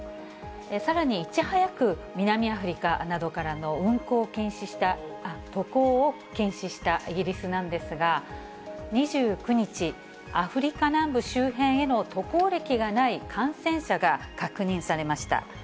さらに、いち早く南アフリカなどからの渡航を禁止したイギリスなんですが、２９日、アフリカ南部周辺への渡航歴がない感染者が確認されました。